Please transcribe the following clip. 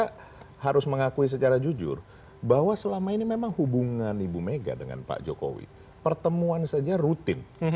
kita harus mengakui secara jujur bahwa selama ini memang hubungan ibu mega dengan pak jokowi pertemuan saja rutin